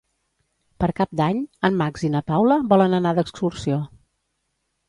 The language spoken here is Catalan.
Per Cap d'Any en Max i na Paula volen anar d'excursió.